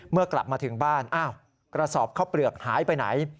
เมื่อกลับมาถึงบ้านอ้าวกระสอบข้าวเปลือกหายไปไหน